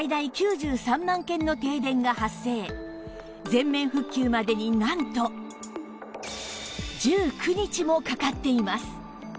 全面復旧までになんと１９日もかかっています